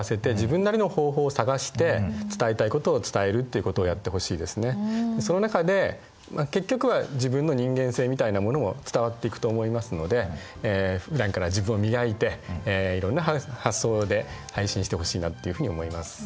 いろいろなやり方が出てきていますのでその中で結局は自分の人間性みたいなものも伝わっていくと思いますのでふだんから自分を磨いていろんな発想で配信してほしいなっていうふうに思います。